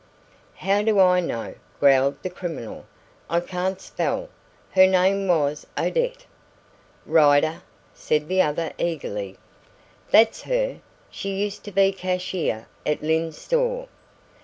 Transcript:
"How do I know?" growled the criminal. "I can't spell. Her name was Odette." "Rider?" said the other eagerly. "That's her. She used to be cashier in Lyne's Store."